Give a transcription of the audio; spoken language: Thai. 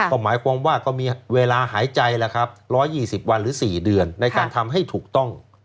ก็หมายความว่าก็มีเวลาหายใจแล้วครับ๑๒๐วันหรือ๔เดือนในการทำให้ถูกต้อง